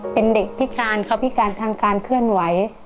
เป็นเด็กพิการทางการเคลื่อนไหว